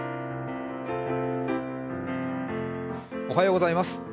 おはようございます。